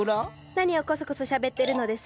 何をコソコソしゃべってるのです？